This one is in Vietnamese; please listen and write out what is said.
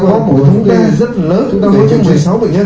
để họ luận ra các thông tin bệnh nhân